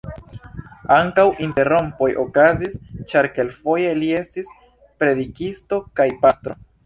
Ankaŭ interrompoj okazis, ĉar kelkfoje li estis predikisto kaj pastro.